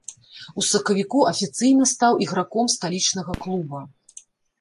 У сакавіку афіцыйна стаў іграком сталічнага клуба.